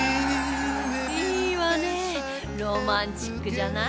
いいわねロマンチックじゃない！